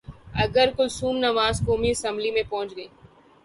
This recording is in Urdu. اگر کلثوم نواز قومی اسمبلی میں پہنچ گئیں۔